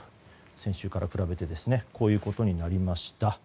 先週から比べてこういうことになりました。